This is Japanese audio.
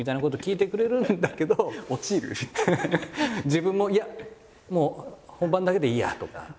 自分も「いやもう本番だけでいいや」とか。